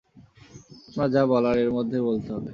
আপনার যা বলার-এর মধ্যেই বলতে হবে।